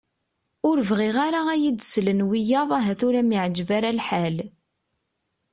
Ue bɣiɣ ara ad iyi-d-slen wiyaḍ ahat ur am-iɛeǧǧeb ara lḥal.